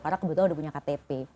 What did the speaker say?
karena kebetulan udah punya ktp